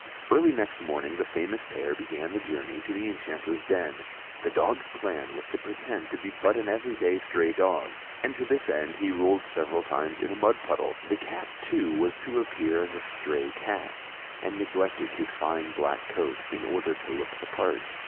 Early next morning, the famous pair began the journey to the Enchanter's den. The dog's plan was to pretend to be but an everyday stray dog, and to this end, he rolled several times in a mud puddle; the cat, too, was to appear as a stray cat, and neglected his fine black coat in order to look the part.